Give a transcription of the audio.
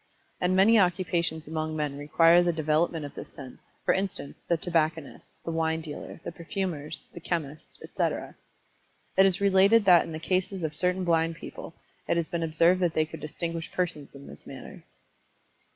And many occupations among men require the development of this sense, for instance, the tobacconist, the wine dealer, the perfumers, the chemist, etc. It is related that in the cases of certain blind people, it has been observed that they could distinguish persons in this manner.